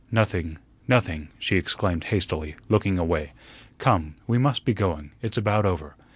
"Nothing, nothing," she exclaimed hastily, looking away. "Come, we must be going. It's about over."